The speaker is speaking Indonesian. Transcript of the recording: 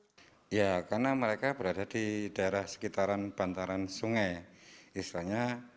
memiliki jamban dan septic tank ya karena mereka berada di daerah sekitaran bantaran sungai istilahnya